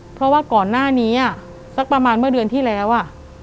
เพราะว่าก่อนหน้านี้สักประมาณเมื่อเดือนที่แล้ว